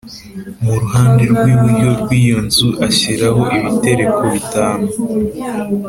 Mu ruhande rw’iburyo rw’iyo nzu ashyiraho ibitereko bitanu